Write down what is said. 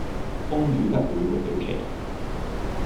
風雨不會沒了期